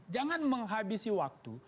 jangan menghabisi waktu